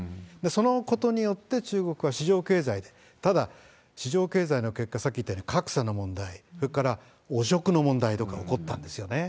そのことによって中国は市場経済で、ただ、市場経済の結果、さっき言ったように格差の問題、それから汚職の問題とか起こったんですよね。